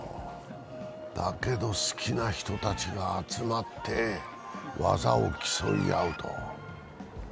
だけど、好きな人たちが集まって技を競い合うと。